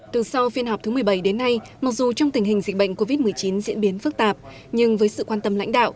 từ sau phiên họp thứ một mươi bảy đến nay mặc dù trong tình hình dịch bệnh covid một mươi chín diễn biến phức tạp nhưng với sự quan tâm lãnh đạo